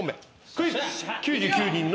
クイズ。